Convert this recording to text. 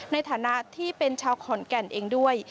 ในฐานะที่เป็นชาวขอนแก่นเองด้วย